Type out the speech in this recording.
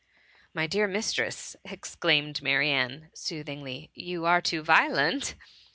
'^'* My dear mistress,^' exclaimed Marianne, soothingly, *^ you are too violent.''